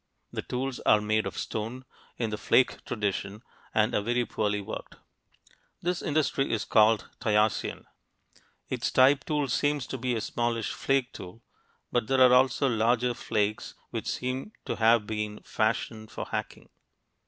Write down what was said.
The tools are made of stone, in the flake tradition, and are very poorly worked. This industry is called Tayacian. Its type tool seems to be a smallish flake tool, but there are also larger flakes which seem to have been fashioned for hacking.